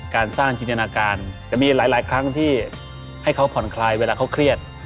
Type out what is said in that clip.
การสร้างจินตนาการแต่มีหลายครั้งที่ให้เขาผ่อนคลายเวลาเขาเครียด